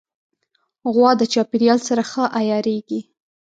غوا د چاپېریال سره ښه عیارېږي.